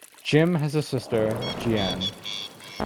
Jim has a sister, Jeanne.